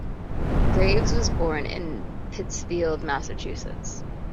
Graves was born in Pittsfield, Massachusetts.